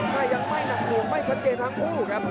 ถ้ายังไม่หนักหน่วงไม่ชัดเจนทั้งคู่ครับ